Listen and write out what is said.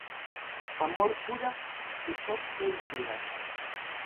Amor pura que tot temps dura.